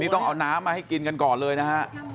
ต้องเอาน้ำมาให้กินกันก่อนเลยนะฮะ